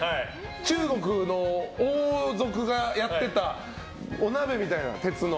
中国の王族がやってたお鍋みたいな、鉄の。